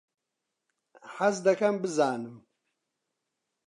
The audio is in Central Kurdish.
حەز دەکەم بزانم.